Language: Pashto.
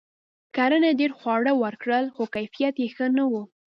کرنې ډیر خواړه ورکړل؛ خو کیفیت یې ښه نه و.